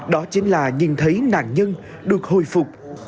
đó chính là nhìn thấy nạn nhân được hồi phục